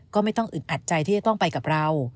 ก็ไม่ต้องอึดอัดใจที่จะต้องไปกับเรา